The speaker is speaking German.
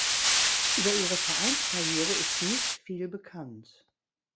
Über ihre Vereinskarriere ist nicht viel bekannt.